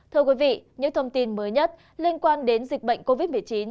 thưa quý vị những thông tin mới nhất liên quan đến dịch bệnh covid một mươi chín